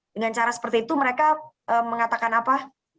dengan cara seperti itu mereka mengatakan apa